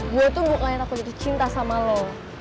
gue tuh bukannya takut jatuh cinta sama lo